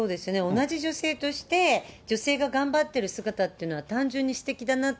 同じ女性として、女性が頑張ってる姿っていうのは単純にすてきだなって